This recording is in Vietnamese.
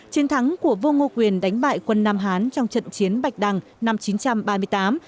chiến thắng của vua ngô quyền đánh bại quân nam hán trong trận chiến bạch đằng năm một nghìn chín trăm ba mươi tám